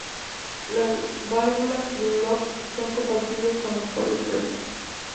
Las válvulas Dunlop son compatibles con los fuelles Presta.